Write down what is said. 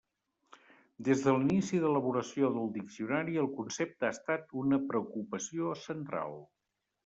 Des de l'inici d'elaboració del diccionari el concepte ha estat una preocupació central.